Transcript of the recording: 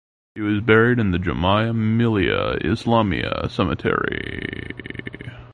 He was buried in the Jamia Millia Islamia cemetery.